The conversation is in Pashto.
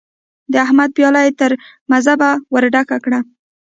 د احمد پياله يې تر مذبه ور ډکه کړه.